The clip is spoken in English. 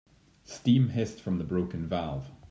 Steam hissed from the broken valve.